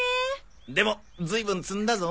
でもずいぶん摘んだぞ。